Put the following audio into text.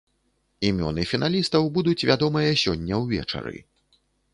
Імёны фіналістаў будуць вядомыя сёння ўвечары.